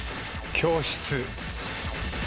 教室。